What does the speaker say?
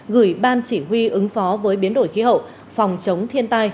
gửi ban chỉ huy ứng phó với biến đổi khí hậu phòng chống thiên tai